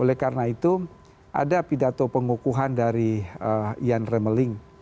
oleh karena itu ada pidato pengukuhan dari ian remeling